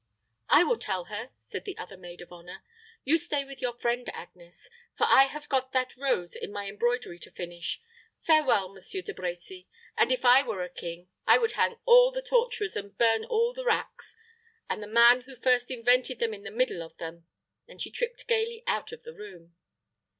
"I will tell her," said the other maid of honor. "You stay with your friend, Agnes; for I have got that rose in my embroidery to finish. Farewell, Monsieur De Brecy. If I were a king, I would hang all the torturers and burn all the racks, with the man who first invented them in the middle of them." And she tripped gayly out of the room.